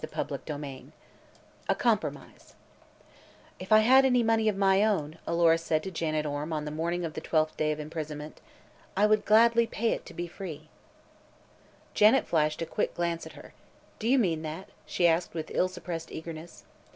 CHAPTER XXII A COMPROMISE "If I had any money of my own," Alora said to Janet Orme on the morning of the twelfth day of imprisonment, "I would gladly pay it to free." Janet flashed a quick glance at her. "Do you mean that?" she asked with ill suppressed eagerness.